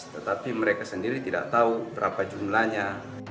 tetapi mereka sendiri tidak tahu berapa jumlahnya